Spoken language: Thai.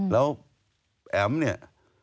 แล้วแอ๋มเนี่ย